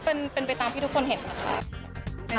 เป็นไปตามที่ทุกคนเห็นนะคะ